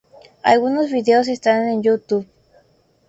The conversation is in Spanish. Algunos videos están en YouTube.